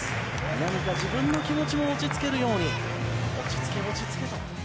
何か自分の気持ちも落ち着けるように落ち着け落ち着けと。